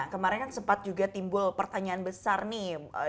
kemarin kan sempat juga timbul pertanyaan besar nih